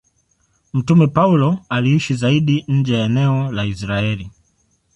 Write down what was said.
Mtume Paulo aliishi zaidi nje ya eneo la Israeli.